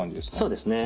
そうですね。